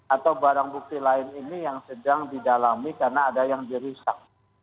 atau barang bukti lain ini yang sedang didalami karena ada yang dirusak